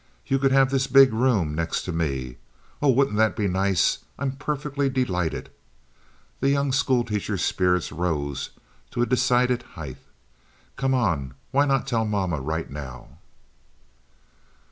You could have this big room next to me. Oh, wouldn't that be nice? I'm perfectly delighted." The young school teacher's spirits rose to a decided height. "Come on, why not tell mama right now?"